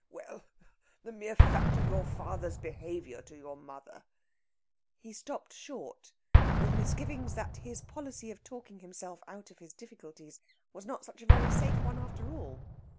Well, the mere fact of your father's behaviour to your mother...." He stopped short, with misgivings that his policy of talking himself out of his difficulties was not such a very safe one, after all.